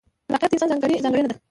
خلاقیت د انسان ځانګړې ځانګړنه ده.